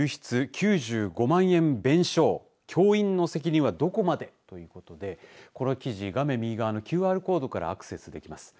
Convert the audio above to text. ９５万弁償教員の責任はどこまでということでこの記事は画面右側のＱＲコードからアクセスできます。